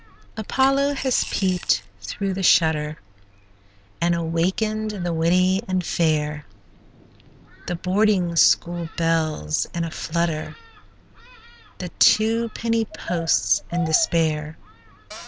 Apollo has peeped through the shutter, And awakened the witty and fair; The boarding school belle's in a flutter, The two penny post's in despair.